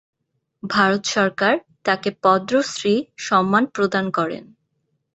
ভারত সরকার তাকে পদ্মশ্রী সম্মান প্রদান করেন।